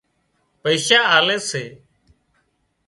پئيشا آلي سي